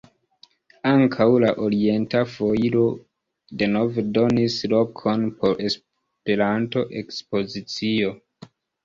Ankaŭ la "Orienta Foiro" denove donis lokon por Espernto-ekspozicio.